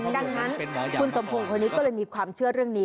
ดังนั้นคุณสมพงศ์คนนี้ก็เลยมีความเชื่อเรื่องนี้